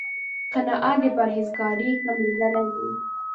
قناعت، د پرهېزکارۍ ښه ملګری دی